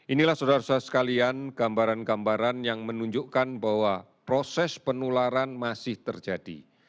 inilah saudara saudara sekalian gambaran gambaran yang menunjukkan bahwa proses penularan masih terjadi